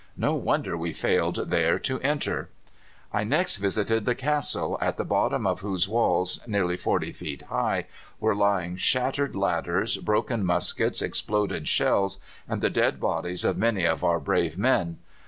No wonder we failed there to enter. "I next visited the castle, at the bottom of whose walls, nearly 40 feet high, were lying shattered ladders, broken muskets, exploded shells, and the dead bodies of many of our brave men.